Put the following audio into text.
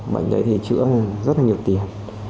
bệnh đấy thì chữa rất là nhiều tiền